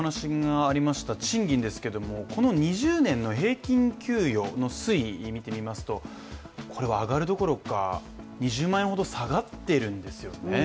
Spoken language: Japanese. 賃金ですけども、この２０年の平均給与の推移を見てみますとこれは上がるどころか２０万円ほど下がっているんですよね。